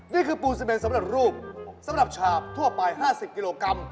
ปูนซีเมนสำเร็จรูปสำหรับชาบทั่วไป๕๐กิโลกรัม